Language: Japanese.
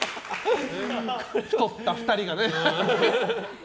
太った２人がね。